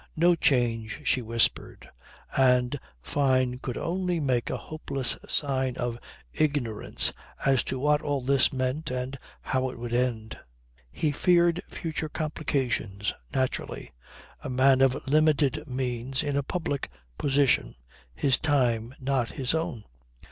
"No change," she whispered; and Fyne could only make a hopeless sign of ignorance as to what all this meant and how it would end. He feared future complications naturally; a man of limited means, in a public position, his time not his own.